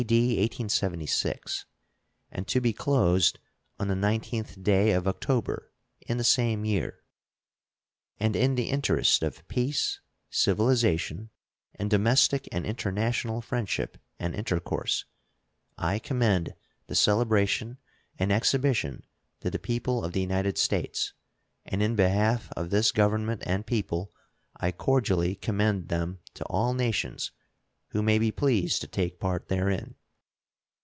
D. 1876, and to be closed on the 19th day of October, in the same year. And in the interest of peace, civilization, and domestic and international friendship and intercourse, I commend the celebration and exhibition to the people of the United States, and in behalf of this Government and people I cordially commend them to all nations who may be pleased to take part therein.